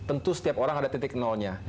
tentu setiap orang ada titik nolnya